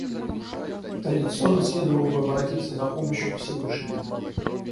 Традиционно следовало бы обратиться за помощью к Всевышнему.